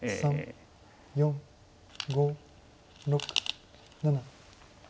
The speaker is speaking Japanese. ４５６７８。